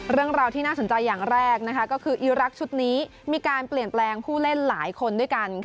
เรื่องราวที่น่าสนใจอย่างแรกก็คืออีรักษ์ชุดนี้มีการเปลี่ยนแปลงผู้เล่นหลายคนด้วยกัน